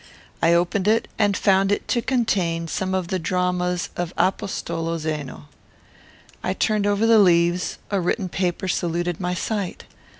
I opened it, and found it to contain some of the Dramas of Apostolo Zeno. I turned over the leaves; a written paper saluted my sight.